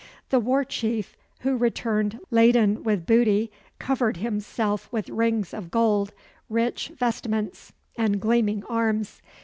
The war chief, who returned laden with booty, covered himself with rings of gold, rich vestments, and gleaming arms.